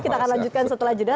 kita akan lanjutkan setelah jeda